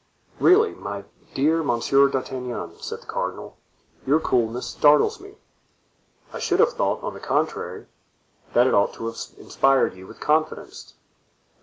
"Really, my dear Monsieur d'Artagnan," said the cardinal, "your coolness startles me." "I should have thought, on the contrary, that it ought to have inspired you with confidence."